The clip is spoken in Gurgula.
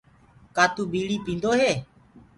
ڪآ تو ٻيڙي پيندو هي؟